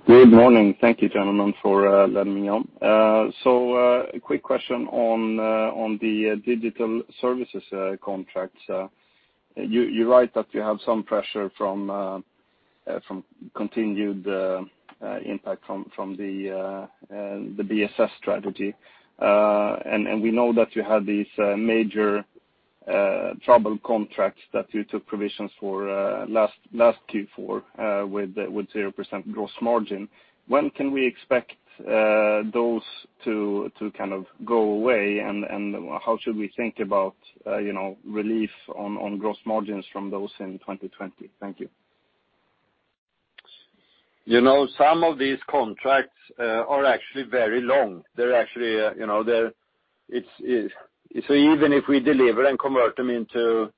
[SPEAKER 11] Good morning. Thank you, gentlemen, for letting me on. A quick question on the Digital Services contracts. You write that you have some pressure from continued impact from the BSS strategy. We know that you had these major trouble contracts that you took provisions for last Q4 with 0% gross margin. When can we expect those to go away, and how should we think about relief on gross margins from those in 2022? Thank you.
[SPEAKER 3] Some of these contracts are actually very long. Even if we deliver and convert them into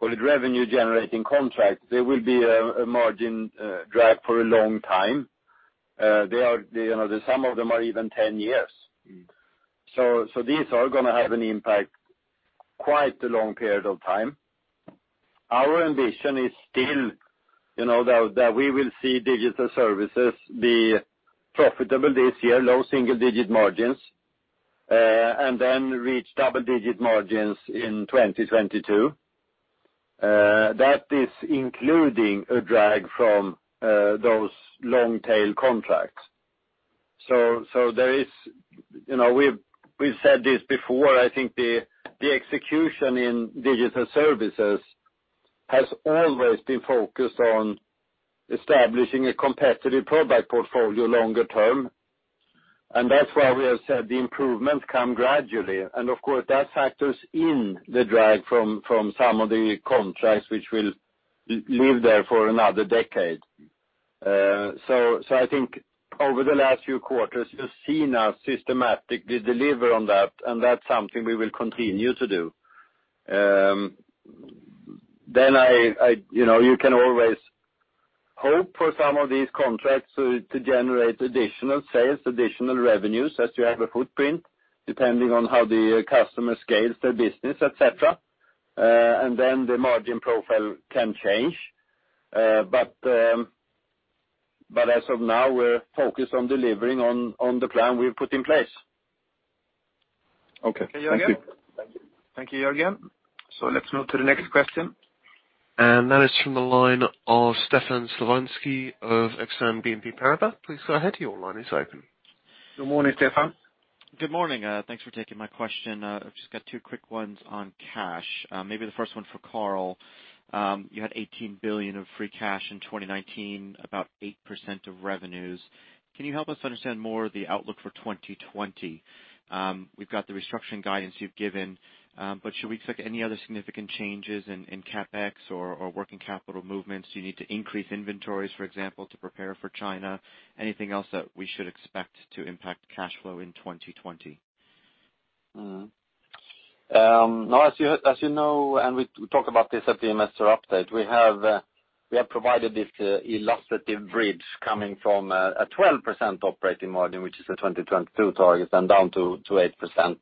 [SPEAKER 3] revenue-generating contracts, there will be a margin drag for a long time. Some of them are even 10 years. These are going to have an impact quite a long period of time. Our ambition is still that we will see Digital Services be profitable this year, low single-digit margins, and then reach double-digit margins in 2022. That is including a drag from those long-tail contracts. We've said this before, I think the execution in Digital Services has always been focused on establishing a competitive product portfolio longer term, and that's why we have said the improvements come gradually. Of course, that factors in the drag from some of the contracts which will live there for another decade. I think over the last few quarters, you've seen us systematically deliver on that, and that's something we will continue to do. You can always hope for some of these contracts to generate additional sales, additional revenues as you have a footprint, depending on how the customer scales their business, et cetera, and then the margin profile can change. As of now, we're focused on delivering on the plan we've put in place.
[SPEAKER 11] Okay. Thank you.
[SPEAKER 2] Thank you. Thank you, Jörgen. Let's move to the next question.
[SPEAKER 1] That is from the line of Stefan Slowinski of Exane BNP Paribas. Please go ahead. Your line is open.
[SPEAKER 2] Good morning, Stefan.
[SPEAKER 12] Good morning. Thanks for taking my question. I've just got two quick ones on cash. Maybe the first one for Carl. You had 18 billion of free cash in 2019, about 8% of revenues. Can you help us understand more the outlook for 2020? We've got the restructuring guidance you've given, should we expect any other significant changes in CapEx or working capital movements? Do you need to increase inventories, for example, to prepare for China? Anything else that we should expect to impact cash flow in 2020?
[SPEAKER 4] As you know, and we talk about this at the investor update, we have provided this illustrative bridge coming from a 12% operating margin, which is a 2022 target, and down to 8%,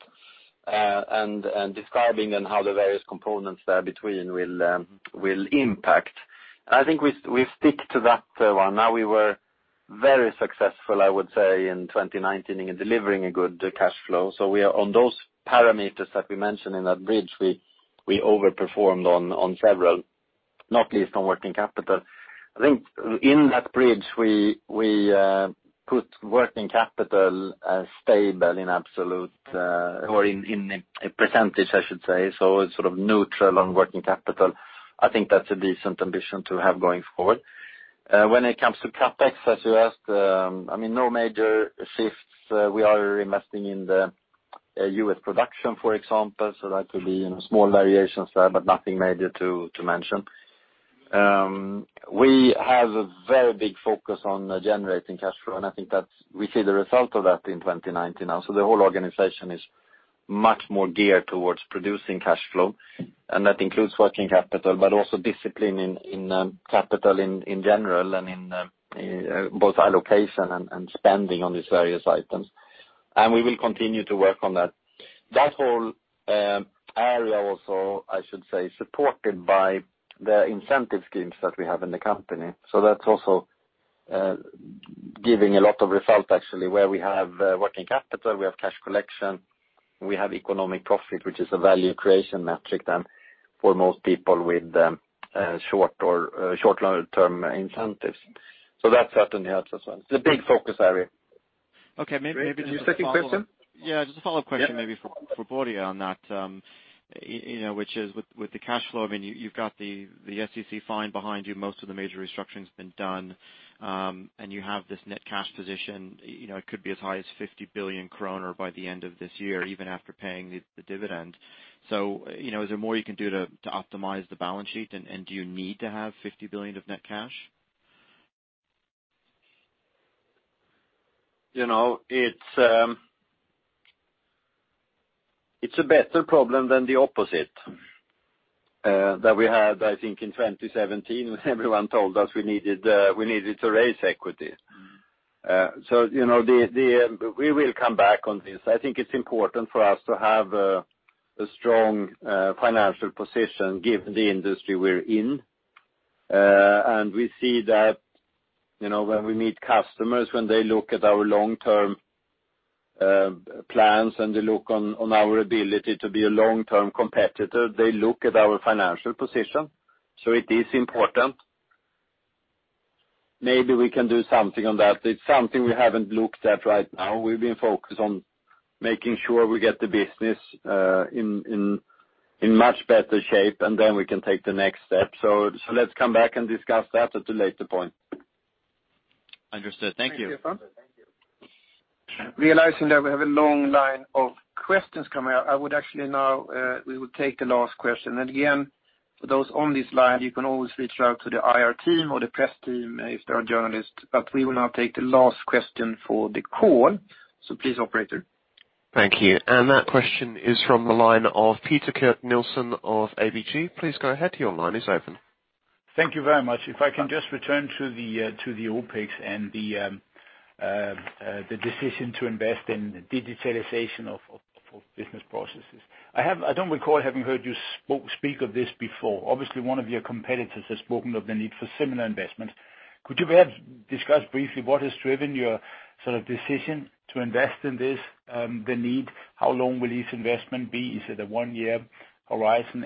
[SPEAKER 4] and describing then how the various components there between will impact. I think we stick to that one. Now, we were very successful, I would say, in 2019 in delivering a good cash flow. We are on those parameters that we mentioned in that bridge, we overperformed on several, not least on working capital. I think in that bridge, we put working capital as stable in absolute or in a percentage, I should say. It's sort of neutral on working capital. I think that's a decent ambition to have going forward. When it comes to CapEx, as you asked, no major shifts. We are investing in the U.S. production, for example, that could be small variations there, but nothing major to mention. We have a very big focus on generating cash flow, I think that we see the result of that in 2019 now. The whole organization is much more geared towards producing cash flow, that includes working capital, also discipline in capital in general and in both allocation and spending on these various items. We will continue to work on that. That whole area also, I should say, is supported by the incentive schemes that we have in the company. That's also giving a lot of result, actually, where we have working capital, we have cash collection, we have economic profit, which is a value creation metric then for most people with short or long-term incentives. That certainly helps as well.
[SPEAKER 3] It's a big focus area.
[SPEAKER 12] Okay. Maybe just a follow-up. Second question? Yeah, just a follow-up question maybe for Börje on that, which is with the cash flow, you've got the SEC fine behind you, most of the major restructuring has been done, and you have this net cash position. It could be as high as 50 billion kronor by the end of this year, even after paying the dividend. Is there more you can do to optimize the balance sheet? Do you need to have 50 billion of net cash?
[SPEAKER 3] It's a better problem than the opposite that we had, I think, in 2017, when everyone told us we needed to raise equity. We will come back on this. I think it's important for us to have a strong financial position, given the industry we're in. We see that when we meet customers, when they look at our long-term plans and they look on our ability to be a long-term competitor, they look at our financial position. It is important. Maybe we can do something on that. It's something we haven't looked at right now. We've been focused on making sure we get the business in much better shape, and then we can take the next step. Let's come back and discuss that at a later point.
[SPEAKER 12] Understood. Thank you.
[SPEAKER 2] Thank you. Realizing that we have a long line of questions coming, we will take the last question. Again, for those on this line, you can always reach out to the IR team or the press team if there are journalists. We will now take the last question for the call. Please, operator.
[SPEAKER 1] Thank you. That question is from the line of Peter Kurt Nielsen of ABG. Please go ahead, your line is open.
[SPEAKER 13] Thank you very much. If I can just return to the OpEx and the decision to invest in digitalization of business processes. I don't recall having heard you speak of this before. Obviously, one of your competitors has spoken of the need for similar investments. Could you perhaps discuss briefly what has driven your decision to invest in this, the need, how long will this investment be? Is it a one-year horizon?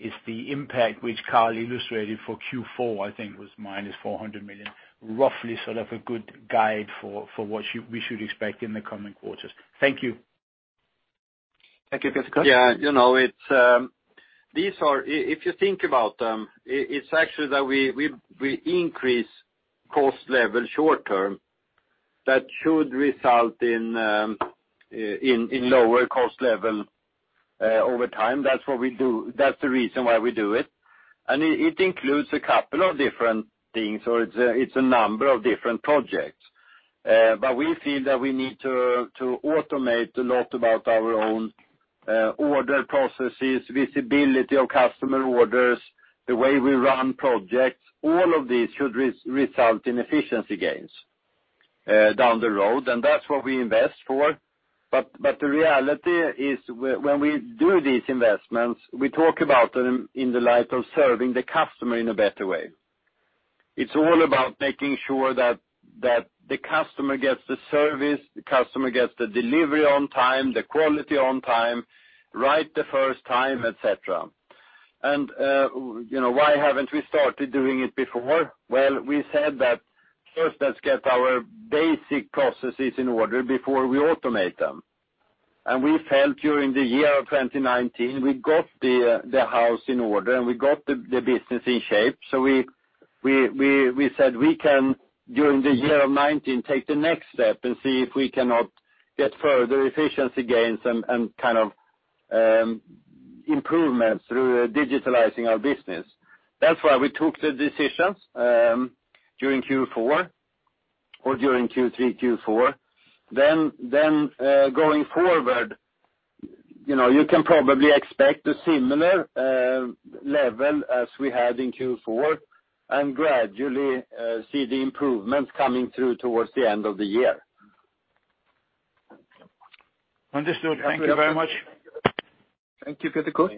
[SPEAKER 13] Is the impact which Carl illustrated for Q4, I think it was -400 million, roughly sort of a good guide for what we should expect in the coming quarters? Thank you.
[SPEAKER 2] Thank you, Peter Kurt.
[SPEAKER 3] Yeah. If you think about them, it's actually that we increase cost level short-term. That should result in lower cost level over time. That's the reason why we do it. It includes a couple of different things, or it's a number of different projects. We feel that we need to automate a lot about our own order processes, visibility of customer orders, the way we run projects. All of these should result in efficiency gains down the road, That's what we invest for. The reality is, when we do these investments, we talk about them in the light of serving the customer in a better way. It's all about making sure that the customer gets the service, the customer gets the delivery on time, the quality on time, right the first time, et cetera. Why haven't we started doing it before? We said that, first, let's get our basic processes in order before we automate them. We felt during the year of 2019, we got the house in order, and we got the business in shape. We said we can, during the year of 2019, take the next step and see if we cannot get further efficiency gains and improvements through digitalizing our business. That's why we took the decisions during Q4 or during Q3, Q4. Going forward, you can probably expect a similar level as we had in Q4, and gradually see the improvements coming through towards the end of the year.
[SPEAKER 13] Understood. Thank you very much.
[SPEAKER 2] Thank you, Peter Kurt.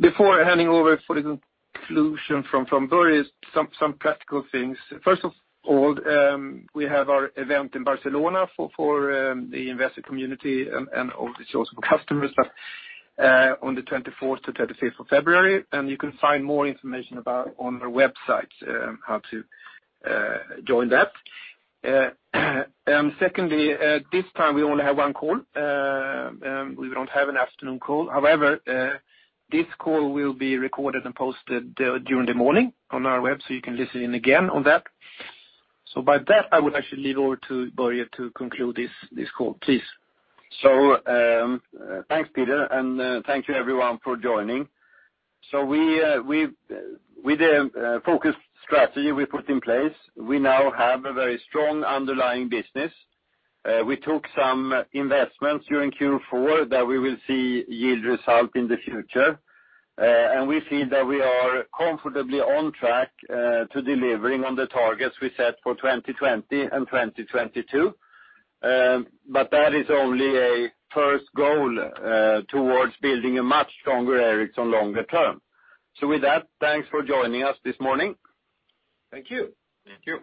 [SPEAKER 2] Before handing over for the conclusion from Börje, some practical things. First of all, we have our event in Barcelona for the investor community and obviously also for customers on the 24th to 25th of February. You can find more information about it on our website, how to join that. Secondly, this time we only have one call. We don't have an afternoon call. However, this call will be recorded and posted during the morning on our web so you can listen in again on that. With that, I would actually leave over to Börje to conclude this call, please.
[SPEAKER 3] Thanks, Peter, and thank you everyone for joining. With the focused strategy we put in place, we now have a very strong underlying business. We took some investments during Q4 that we will see yield result in the future. We feel that we are comfortably on track to delivering on the targets we set for 2020 and 2022. That is only a first goal towards building a much stronger Ericsson longer term. With that, thanks for joining us this morning.
[SPEAKER 13] Thank you.
[SPEAKER 12] Thank you.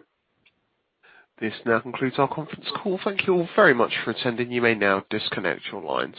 [SPEAKER 1] This now concludes our conference call. Thank you all very much for attending. You may now disconnect your lines.